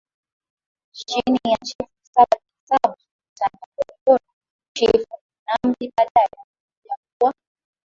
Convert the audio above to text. chini ya Chifu Sabu Bin Sabu Sultan wa Morogoro Chifu Kunambi baadaye alikuja kuwa